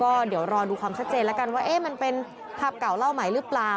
ก็เดี๋ยวรอดูความชัดเจนแล้วกันว่ามันเป็นภาพเก่าเล่าใหม่หรือเปล่า